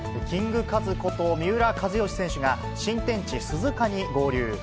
キングカズこと三浦知良選手が新天地、鈴鹿に合流。